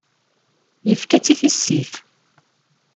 Yefka-tt i tissit.